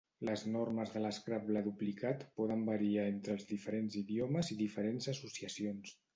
Les normes de l'Scrabble duplicat poden variar entre els diferents idiomes i diferents associacions.